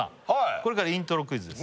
これからイントロクイズです